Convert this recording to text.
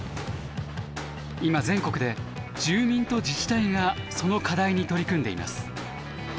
今全国で住民と自治体がその課題に取り組んでいます。